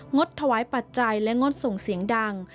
ดถวายปัจจัยและงดส่งเสียงดัง